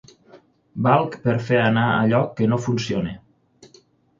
Valc per fer anar allò que no funciona.